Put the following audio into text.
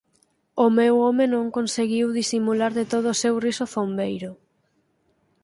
O meu home non conseguiu disimular de todo o seu riso zombeiro.